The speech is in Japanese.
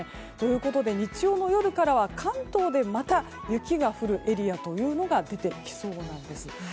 ということで、日曜夜からは関東でまた雪が降るエリアが出てきそうなんです。